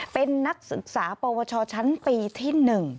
เป็นนักศึกษาปวชชั้นปีที่๑